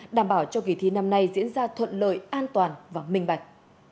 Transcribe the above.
đảm bảo cho kỳ thi năm nay diễn ra thuận lợi an toàn và minh bạch